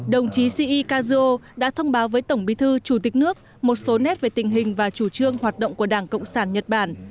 đồng chí ci kazuo đã thông báo với tổng bí thư chủ tịch nước một số nét về tình hình và chủ trương hoạt động của đảng cộng sản nhật bản